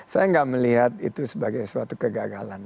saya nggak melihat itu sebagai suatu kegagalan